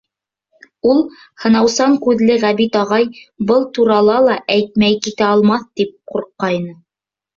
Ул, һынаусан күҙле Ғәбит ағай был турала ла әйтмәй китә алмаҫ, тип ҡурҡҡайны.